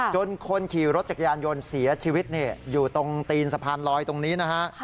คนขี่รถจักรยานยนต์เสียชีวิตอยู่ตรงตีนสะพานลอยตรงนี้นะฮะ